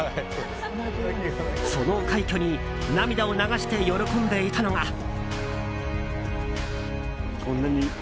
その快挙に涙を流して喜んでいたのが。